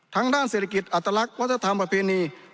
ด้านเศรษฐกิจอัตลักษณ์วัฒนธรรมประเพณี